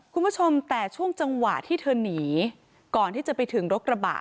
คุณผู้ชมแต่ช่วงจังหวะที่เธอหนีก่อนที่จะไปถึงรถกระบะ